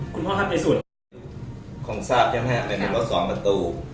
คุณพ่อครับในสูตรคงทราบใช่ไหมฮะมันเป็นรถสองประตู